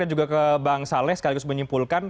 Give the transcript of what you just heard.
dan juga ke bang saleh sekaligus menyimpulkan